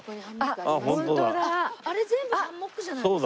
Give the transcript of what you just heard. あれ全部ハンモックじゃないですか？